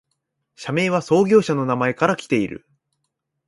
社名は創業者の名前からきている